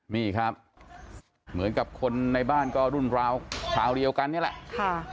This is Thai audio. นี่ครับเหมือนกับคนในบ้านก็รุ่นราวคราวเดียวกันนี่แหละ